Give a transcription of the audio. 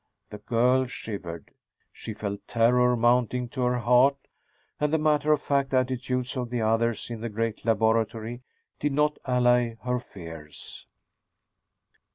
The girl shivered. She felt terror mounting to her heart, and the matter of fact attitudes of the others in the great laboratory did not allay her fears.